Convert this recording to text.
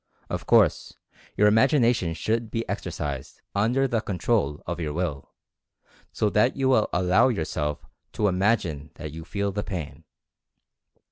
Of course your imag ination should be exercised, under the control of your Will, so that you will allow yourself to imagine that you feel the pain.